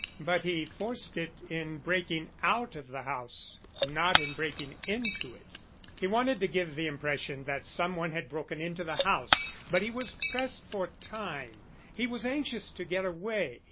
But he forced it in breaking out of the house not in breaking into it. He wanted to give the impression that some one had broken into the house, but he was pressed for time he was anxious to get away.